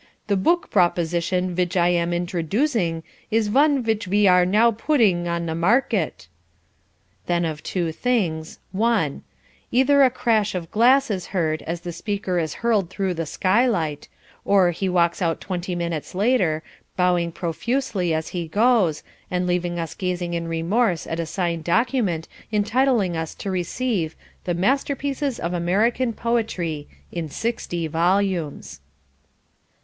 The book proposition vidge I am introduzing is one vidge ve are now pudding on the market..." Then, of two things, one Either a crash of glass is heard as the speaker is hurled through the skylight, or he walks out twenty minutes later, bowing profusely as he goes, and leaving us gazing in remorse at a signed document entitling us to receive the "Masterpieces of American Poetry" in sixty volumes.